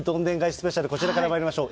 スペシャル、こちらからまいりましょう。